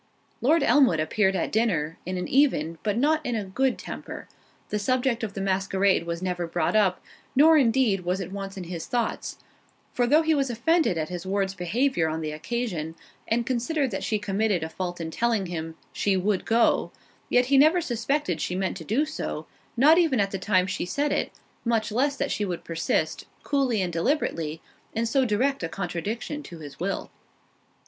Lord Elmwood appeared at dinner, in an even, but not in a good temper; the subject of the masquerade was never brought up, nor indeed was it once in his thoughts; for though he was offended at his ward's behaviour on the occasion, and considered that she committed a fault in telling him, "She would go," yet he never suspected she meant to do so, not even at the time she said it, much less that she would persist, coolly and deliberately, in so direct a contradiction to his will.